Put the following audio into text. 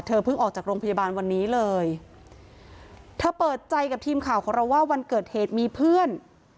เพิ่งออกจากโรงพยาบาลวันนี้เลยเธอเปิดใจกับทีมข่าวของเราว่าวันเกิดเหตุมีเพื่อน